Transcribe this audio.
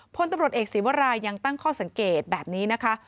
พลตำรวจเอกศีวรายยังตั้งข้อสังเกตแบบนี้นะคะ